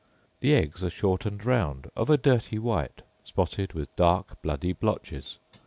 The eggs are short and round; of a dirty white, spotted with dark bloody blotches.